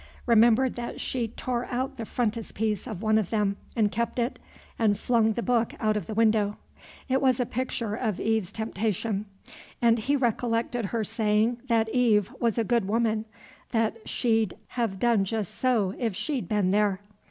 Remembered that she tore out the frontispiece of one of them, and kept it, and flung the book out of the window. It was a picture of Eve's temptation; and he recollected her saying that Eve was a good woman, and she'd have done just so, if she'd been there.